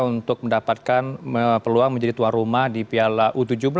untuk mendapatkan peluang menjadi tuan rumah di piala u tujuh belas